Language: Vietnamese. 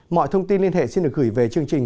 mọi thông tin liên hệ xin được gửi về chương trình